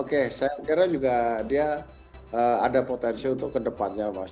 oke saya kira juga dia ada potensi untuk kedepannya mas